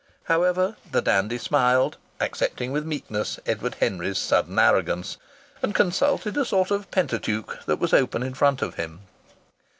However, the dandy smiled, accepting with meekness Edward Henry's sudden arrogance, and consulted a sort of pentateuch that was open in front of him.